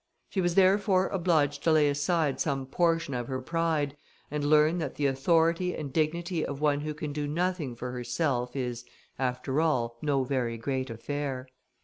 She was therefore obliged to lay aside some portion of her pride, and learn that the authority and dignity of one who can do nothing for herself is, after all, no very great affair.